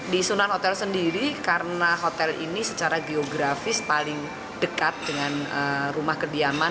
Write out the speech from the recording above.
di sunan hotel sendiri karena hotel ini secara geografis paling dekat dengan rumah kediaman